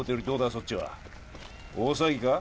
そっちは大騒ぎか？